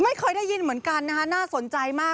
ไม่เคยได้ยินเหมือนกันนะคะน่าสนใจมาก